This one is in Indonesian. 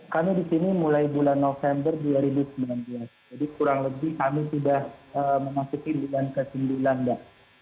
kami di sini mulai bulan november dua ribu sembilan belas jadi kurang lebih kami sudah memasuki bulan ke sembilan mbak